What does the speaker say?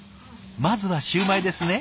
まずはシューマイですね。